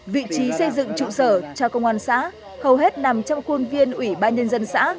vị trí xây dựng trụ sở cho công an xã hầu hết nằm trong khuôn viên ủy ban nhân dân xã